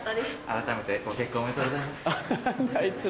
改めてご結婚おめでとうございます。